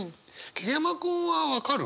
桐山君は分かる？